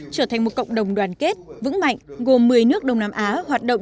trở thành một cộng đồng đoàn kết vững mạnh gồm một mươi nước đông nam á hoạt động